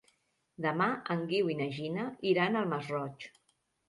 Demà en Guiu i na Gina iran al Masroig.